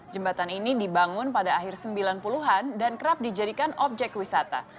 jembatan ini dibangun pada akhir sembilan puluh an dan kerap dijadikan objek wisata